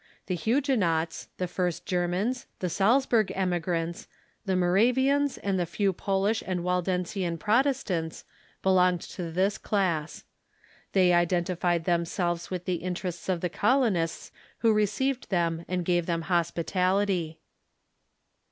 The Huguenots, the first Germans, the Salzburg emigrants, the Moravians, and the few Polish and Waldensian Protestants belonged to this class. They POLITICAL FRAMEWORK OF THE COLONIES 457 identified themselves Avitli tlie interests of the colonists who received them and gave them hospitalitj'.